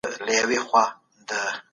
د تيرو پېړيو حوادث ډېر ويرونکي وو.